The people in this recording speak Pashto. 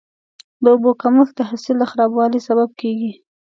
د اوبو کمښت د حاصل د خرابوالي سبب کېږي.